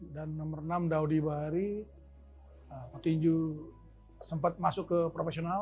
nomor enam daudi bahari petinju sempat masuk ke profesional